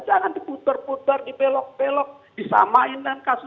jangan diputar putar dibelok belok disamain dengan kasus